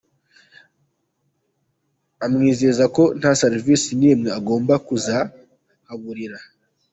Amwizeza ko nta serivisi nimwe agomba kuzahaburira.